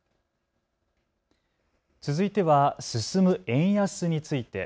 続いては進む円安について。